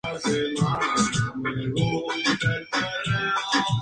A diferencia del año pasado, la Copa Mitsubishi Evo Cup Asfalto, no se celebró.